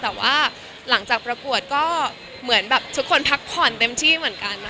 แต่ว่าหลังจากประกวดก็เหมือนแบบทุกคนพักผ่อนเต็มที่เหมือนกัน